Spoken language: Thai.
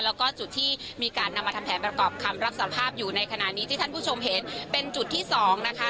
แล้วก็จุดที่มีการนำมาทำแผนประกอบคำรับสภาพอยู่ในขณะนี้ที่ท่านผู้ชมเห็นเป็นจุดที่สองนะคะ